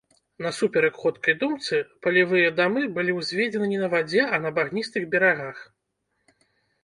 Насуперак ходкай думцы, палевыя дамы былі ўзведзены не на вадзе, а на багністых берагах.